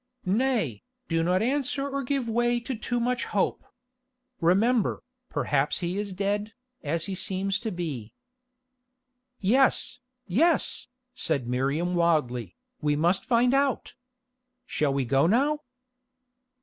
Nay, do not answer or give way to too much hope. Remember, perhaps he is dead, as he seems to be." "Yes, yes," said Miriam wildly, "we must find out. Shall we go now?"